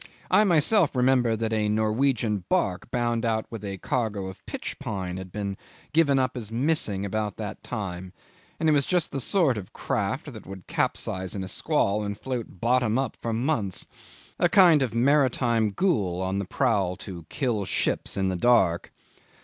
I myself remember that a Norwegian barque bound out with a cargo of pitch pine had been given up as missing about that time, and it was just the sort of craft that would capsize in a squall and float bottom up for months a kind of maritime ghoul on the prowl to kill ships in the dark.